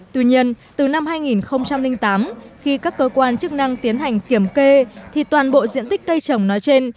tuy nhiên từ năm hai nghìn tám khi các cơ quan chức năng tiến hành kiểm kê thì toàn bộ diện tích cây trồng nói trên